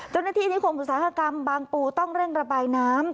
นิคมอุตสาหกรรมบางปูต้องเร่งระบายน้ำ